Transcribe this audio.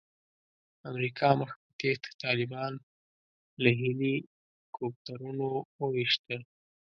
امریکا مخ په تېښته طالبان له هیلي کوپټرونو وویشتل.